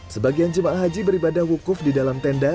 sebagian jemaah haji beribadah wukuf di dalam tenda